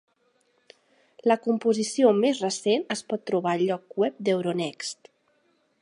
La composició més recent es pot trobar al lloc web d'euronext.